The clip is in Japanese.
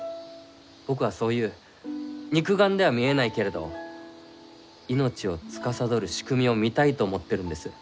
僕はそういう肉眼では見えないけれど命をつかさどる仕組みを見たいと思ってるんです。